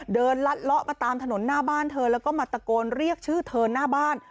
ลัดเลาะมาตามถนนหน้าบ้านเธอแล้วก็มาตะโกนเรียกชื่อเธอหน้าบ้าน